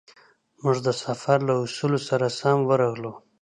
موږ د سفر له اصولو سره سم ورغلو.